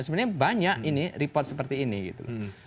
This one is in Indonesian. sebenarnya banyak ini report seperti ini gitu